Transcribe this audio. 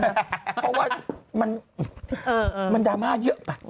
เพราะว่ามันดราม่าเยอะไป